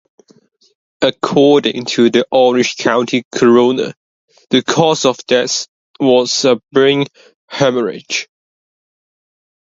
According to the Orange County Coroner, the cause of death was a brain hemorrhage.